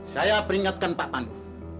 saya peringatkan pak pandu